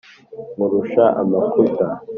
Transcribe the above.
nkurusha amakuta,